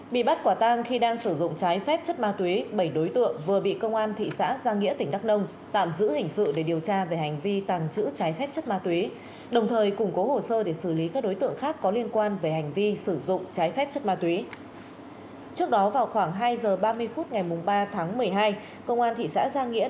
bị bắt quả tang khi đang sử dụng trái phép chất ma túy bảy đối tượng vừa bị công an thị xã giang nghĩa tỉnh đắk nông tạm giữ hình sự để điều tra về hành vi tàng trữ trái phép chất ma túy đồng thời củng cố hồ sơ để xử lý các đối tượng khác có liên quan về hành vi sử dụng trái phép chất ma túy